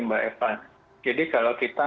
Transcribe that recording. mbak eva jadi kalau kita